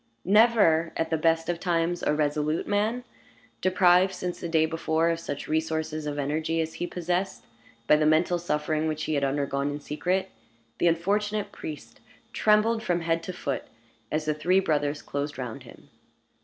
Never, at the best of times, a resolute man; deprived, since the day before, of such resources of energy as he possessed, by the mental suffering which he had undergone in secret, the unfortunate priest trembled from head to foot as the three brothers closed round him.